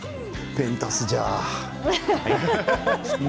ペンタスじゃ。